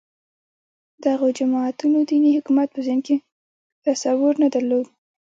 دغو جماعتونو دیني حکومت په ذهن کې تصور نه درلود